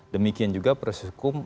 demikian juga proses hukum